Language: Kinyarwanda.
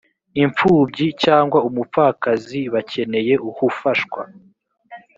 impfubyi cyangwa umupfakazi bakeneye hufashwa.